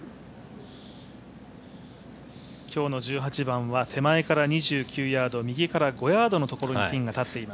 今日の１８番は手前から２９ヤード右から５ヤードのところにピンが立っています。